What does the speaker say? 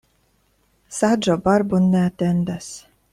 Saĝo barbon ne atendas.